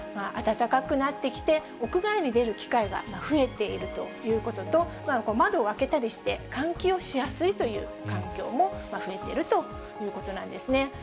暖かくなってきて、屋外に出る機会が増えているということと、窓を開けたりして、換気をしやすいという環境も増えているということなんですね。